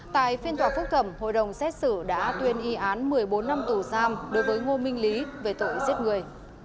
tại phiên tòa phúc thẩm hội đồng xét xử đã tuyên y án một mươi bốn năm tù giam đối với ngô minh lý về tội giết người